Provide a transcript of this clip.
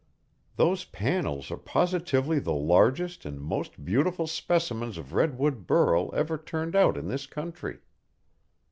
Those panels are positively the largest and most beautiful specimens of redwood burl ever turned out in this country.